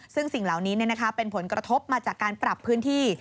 ซึ่งสิ่งเหล่านี้เป็นผลกระทบมาจากการปรับพื้นที่